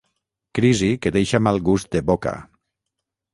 Crisi que deixa mal gust de boca.